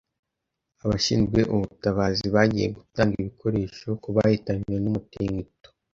Abashinzwe ubutabazi bagiye gutanga ibikoresho ku bahitanywe n’umutingito